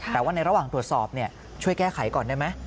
แต่ว่าในระหว่างตรวจสอบช่วยแก้ไขก่อนได้ไหม